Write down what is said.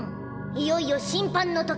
いよいよ審判の時。